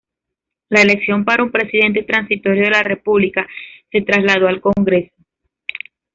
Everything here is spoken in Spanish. La elección para un Presidente Transitorio de la República se trasladó al Congreso.